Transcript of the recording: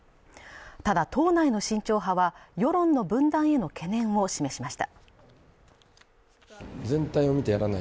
ただ党内の慎重派は世論の分断への懸念を示しました